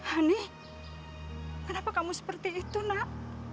hani kenapa kamu seperti itu nak